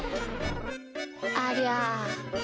ありゃ。